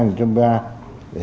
để triển khai